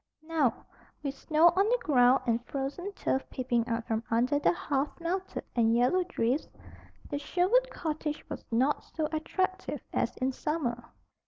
Now, with snow on the ground and frozen turf peeping out from under the half melted and yellowed drifts, the Sherwood cottage was not so attractive as in summer.